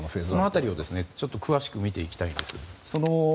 その辺りを詳しく見ていきます。